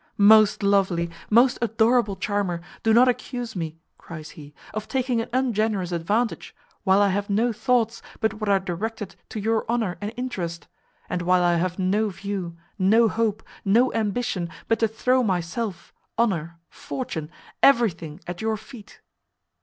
"Most lovely, most adorable charmer, do not accuse me," cries he, "of taking an ungenerous advantage, while I have no thoughts but what are directed to your honour and interest, and while I have no view, no hope, no ambition, but to throw myself, honour, fortune, everything at your feet."